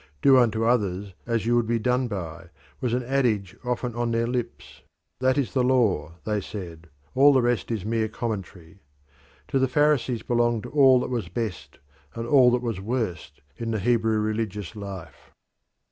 "Do unto others as you would be done by" was an adage often on their lips. That is the law, they said; all the rest is mere commentary. To the Pharisees belonged all that was best and all that was worst in the Hebrew religious life.